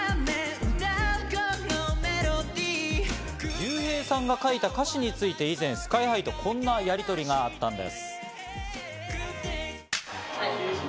リュウヘイさんが書いた歌詞について以前、ＳＫＹ−ＨＩとこんなやりとりがあったんです。